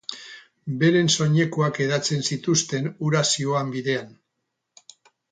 Beren soinekoak hedatzen zituzten hura zihoan bidean.